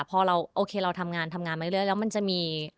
พอเราโอเคเราทำงานทำงานมาเรื่อยแล้วมันจะมี